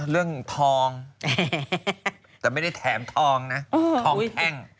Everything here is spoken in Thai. เรื่องทองแต่ไม่ได้แถมทองนะทองแท่ง